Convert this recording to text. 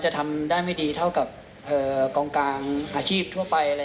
จะทำได้ไม่ดีเท่ากับกองกลางอาชีพทั่วไป